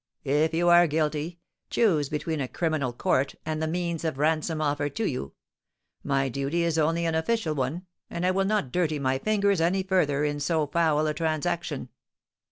If you are guilty, choose between a criminal court and the means of ransom offered to you; my duty is only an official one, and I will not dirty my fingers any further in so foul a transaction.